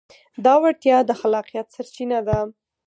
دا وړتیا د خلاقیت سرچینه ده.